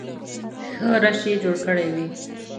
ښه رش یې جوړ کړی وي.